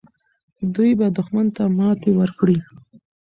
دوی به دښمن ته ماتې ورکړي.